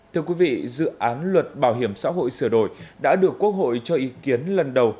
thưa quý vị dự án luật bảo hiểm xã hội sửa đổi đã được quốc hội cho ý kiến lần đầu